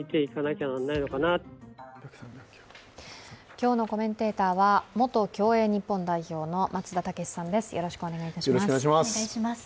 今日のコメンテーターは元競泳日本代表の松田丈志さんです。